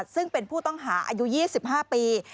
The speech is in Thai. ซึ่งเป็นผู้ต้องหาอายุ๒๕ปี